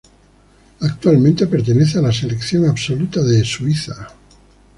Actualmente pertenece a la selección absoluta de Suiza.